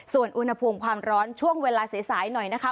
ส่วนอุณหภูมิความร้อนช่วงเวลาสายหน่อยนะคะ